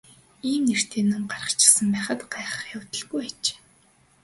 Ийм нэртэй ном гарчихсан байхад гайхаад байх явдалгүй аж.